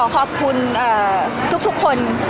พี่ตอบได้แค่นี้จริงค่ะ